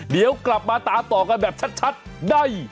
เดี๋ยวกลับมาตามต่อกันแบบชัดได้